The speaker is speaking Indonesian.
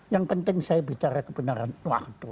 yang penting saya bicara kebenaran waktu